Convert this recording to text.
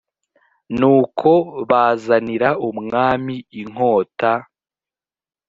nuko bazanira umwami inkota